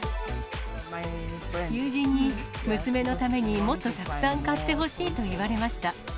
友人に娘のためにもっとたくさん買ってほしいと言われました。